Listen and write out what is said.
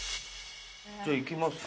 じゃあいきます。